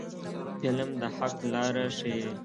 فلم د حق لاره ښيي